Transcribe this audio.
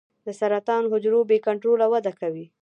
د سرطان حجرو بې کنټروله وده کوي.